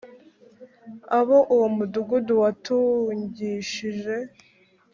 abo uwo mudugudu watungishije